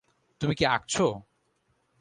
তুমি কি আঁকছো?